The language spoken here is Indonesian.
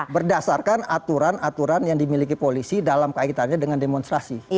berdasarkan aturan aturan yang dimiliki polisi dalam kaitannya dengan demonstrasi